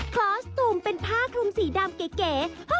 คอสตูมเป็นผ้าคลุมสีดำเก๋